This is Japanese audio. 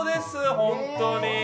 本当に。